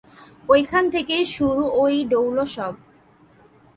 এইখান থেকেই শুরু ঐ ডৌল সব।